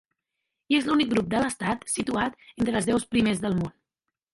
I és l'únic grup de l'Estat situat entre els deu primers del món.